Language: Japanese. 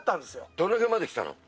どの辺まで来たの？